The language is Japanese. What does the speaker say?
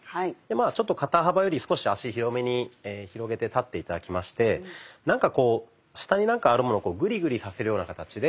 ちょっと肩幅より少し足広めに広げて立って頂きましてなんかこう下に何かあるものをグリグリさせるような形で。